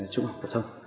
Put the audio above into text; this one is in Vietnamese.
trung học phổ thông